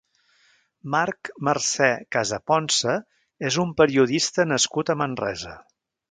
Marc Marcè Casaponsa és un periodista nascut a Manresa.